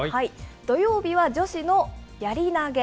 土曜日は女子のやり投げ。